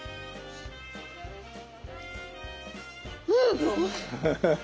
うん！